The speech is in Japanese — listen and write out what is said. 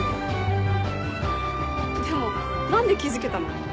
でも何で気付けたの？